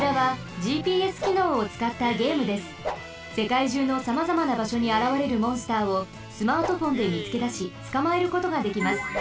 せかいじゅうのさまざまなばしょにあらわれるモンスターをスマートフォンでみつけだしつかまえることができます。